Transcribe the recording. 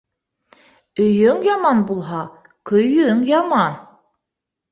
Өйөң яман булһа, көйөң яман.